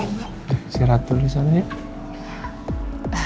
istirahat dulu disana ya